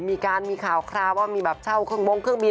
มีการมีข่าวคราวว่ามีแบบเช่าเครื่องมงเครื่องบิน